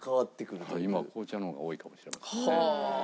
今は紅茶の方が多いかもしれないですね。